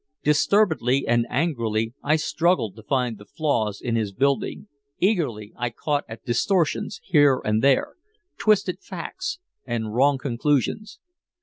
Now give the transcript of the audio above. Disturbedly and angrily I struggled to find the flaws in his building, eagerly I caught at distortions here and there, twisted facts and wrong conclusions.